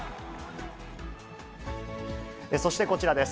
そして、こちらです。